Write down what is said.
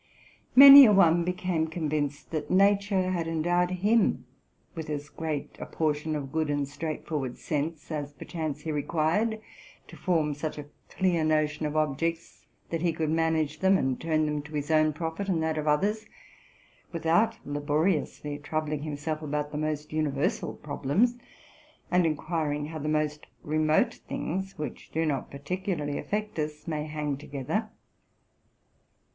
Many a one became convinced that nature had endowed him with as great a portion of good and straight forward sense as, perchance, he required to form such a clear notion of objects that he could manage them and turn them to his own profit, and that of others, without laboriously jn ie RELATING TO MY LIFE. 227 troubling himself about the most universal problems, and inquiring how the most remote things which do not partie ularly affect us may hang together.